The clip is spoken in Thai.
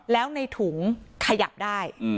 แล้วในถุงขยับได้